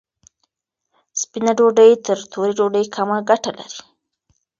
سپینه ډوډۍ تر تورې ډوډۍ کمه ګټه لري.